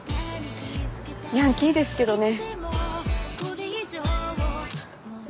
ヤンキーですけどね。